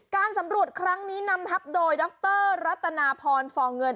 การสำรวจครั้งนี้นำทับโดยดรรัตนาพรฟองเงิน